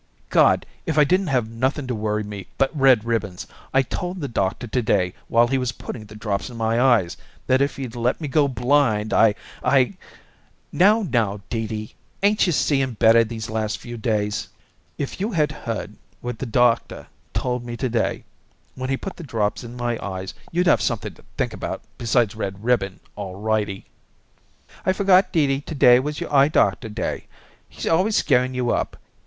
"God! if I didn't have nothing to worry me but red ribbons! I told the doctor to day while he was putting the drops in my eyes, that if he'd let me go blind I I " "Now, now, Dee Dee! Ain't you seeing better these last few days?" "If you had heard what the doctor told me to day when he put the drops in my eyes you'd have something to think about besides red ribbon, alrighty." "I forgot, Dee Dee, to day was your eye doctor day. He's always scarin' you up.